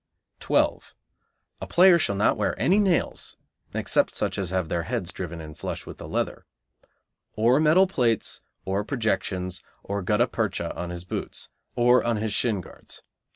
12. A player shall not wear any nails, except such as have their heads driven in flush with the leather, or metal plates, or projections, or gutta percha on his boots, or on his shin guards.